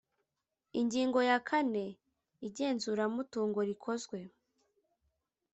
Ingingo ya kane Ingenzuramutungo rikozwe